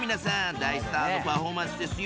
大スターのパフォーマンスですよ